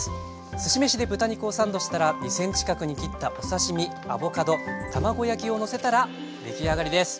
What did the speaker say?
すし飯で豚肉をサンドしたら２ｃｍ角に切ったお刺身アボカド卵焼きをのせたら出来上がりです。